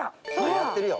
やってるよ。